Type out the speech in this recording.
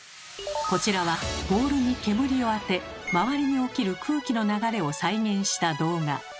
こちらはボールに煙を当て周りに起きる空気の流れを再現した動画。